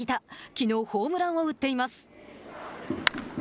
きのうホームランを打っています。